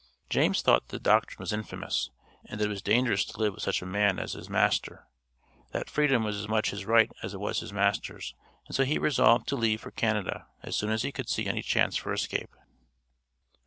James thought that the doctrine was infamous, and that it was dangerous to live with such a man as his master; that freedom was as much his right as it was his master's; and so he resolved to leave for Canada as soon as he could see any chance for escape.